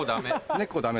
猫ダメ。